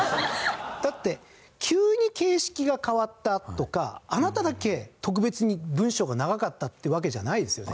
だって急に形式が変わったとかあなただけ特別に文章が長かったってわけじゃないですよね。